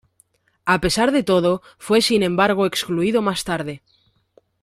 A pesar de todo, fue sin embargo excluido más tarde.